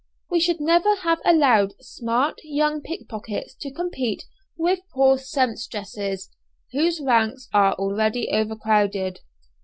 We should never have allowed smart young pickpockets to compete with poor sempstresses, whose ranks are already overcrowded.